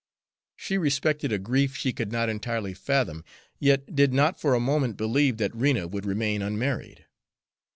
She respected a grief she could not entirely fathom, yet did not for a moment believe that Rena would remain unmarried.